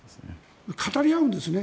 語り合うんですよね。